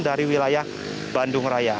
dari wilayah bandung raya